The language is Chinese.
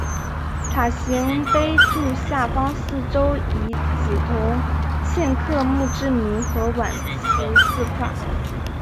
塔形碑柱下方四周以紫铜嵌刻墓志铭和挽词四块。